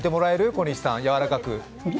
小西さん、やわらかく。